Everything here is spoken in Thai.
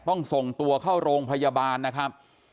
ต้องส่งตัวเข้าโรงพยาบาลนะครับ